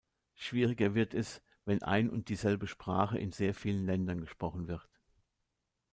Schwieriger wird es, wenn ein und dieselbe Sprache in sehr vielen Ländern gesprochen wird.